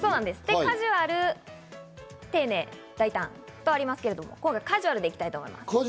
「カジュアル」「丁寧」「大胆」とありますけど、カジュアルでいってみたいと思います。